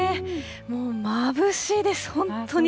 もうまぶしいです、本当に。